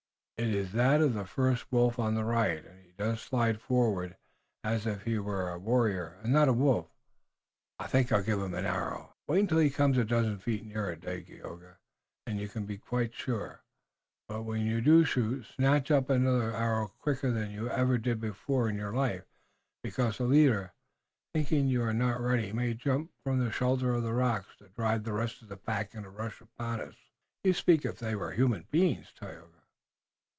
It is that of the first wolf on the right, and he does slide forward as if he were a warrior and not a wolf. I think I'll give him an arrow." "Wait until he comes a dozen feet nearer, Dagaeoga, and you can be quite sure. But when you do shoot snatch up another arrow quicker than you ever did before in your life, because the leader, thinking you are not ready, may jump from the shelter of the rocks to drive the rest of the pack in a rush upon us." "You speak as if they were human beings, Tayoga."